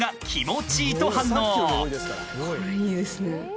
これいいですね。